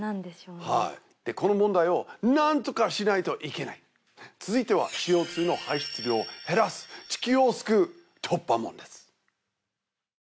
はいでこの問題をなんとかしないといけない続いてはＣＯ２の排出量を減らす地球を救う「突破者」です